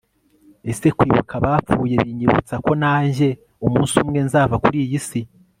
ese kwibuka abapfuye binyibutsako najye umunsi umwe nzava kuri iyi si